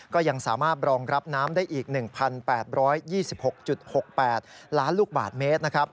ก็ยังสามารถรองรับน้ำได้อีก๑๘๒๖๖๘ล้านลูกบาทเมตรนะครับ